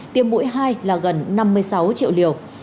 tiêm mũi hai là gần năm mươi sáu triệu liều